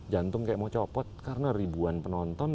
jantung kayak mau copot karena ribuan penonton